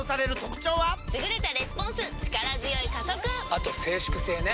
あと静粛性ね。